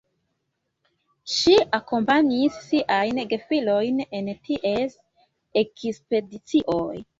Ŝi akompanis siajn gefilojn en ties ekspedicioj.